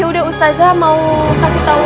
yaudah ustazah mau kasih tau